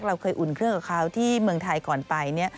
เราเคยอุ่นเครื่องกับเขาที่เมืองไทยก่อนไป